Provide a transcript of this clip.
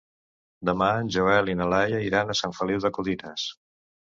Demà en Joel i na Laia iran a Sant Feliu de Codines.